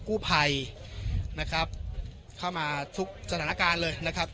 กู้ภัยนะครับเข้ามาทุกสถานการณ์เลยนะครับ